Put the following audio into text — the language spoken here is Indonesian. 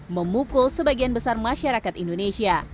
memukul sebagian besar masyarakat indonesia